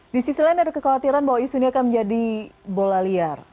di sisi lain ada kekhawatiran bahwa isu ini akan menjadi bola liar